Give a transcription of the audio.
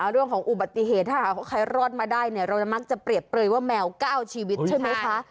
เรื่องของอุบัติเหตุถ้าใครรอดมาได้เราจะมักจะเปลี่ยนเปรยว่าแมวก้าวชีวิตใช่ไหมคะ